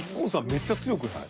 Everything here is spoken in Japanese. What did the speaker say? めっちゃ強くない？